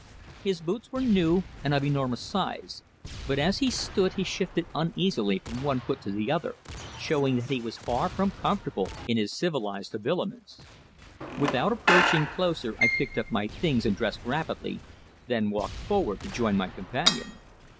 His boots were new, and of enormous size, but as he stood he shifted uneasily from one foot to the other, showing that he was far from comfortable in his civilized habiliments. Without approaching closer I picked up my things and dressed rapidly, then walked forward to join my companion.